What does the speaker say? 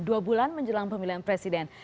dua bulan menjelang pemilihan presiden